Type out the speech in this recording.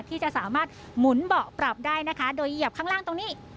ที่จะสามารถหมุนเบาะปรับได้นะคะโดยเหยียบข้างล่างตรงนี้